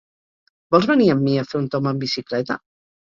Vols venir amb mi a fer un tomb amb bicicleta?